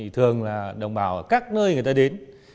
thường là đồng bào ở các nơi người ta đến